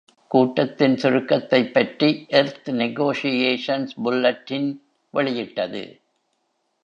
கூட்டத்தின் சுருக்கத்தைப் பற்றி earth negotiations bulletin வெளியிட்டது.